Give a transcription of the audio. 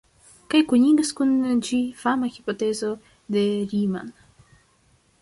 Kaj kunigas kun ĝi fama hipotezo de Riemann.